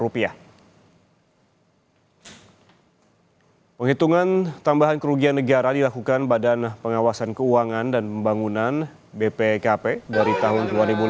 penghitungan tambahan kerugian negara dilakukan badan pengawasan keuangan dan pembangunan bpkp dari tahun dua ribu lima belas